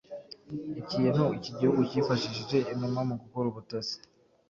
ukuntu iki gihugu cyifashishije inuma mu gukora ubutasi